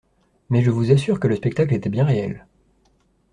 Mais je vous assure que le spectacle était bien réel.